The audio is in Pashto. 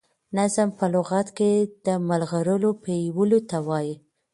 نظم په لغت کي د ملغرو پېيلو ته وايي.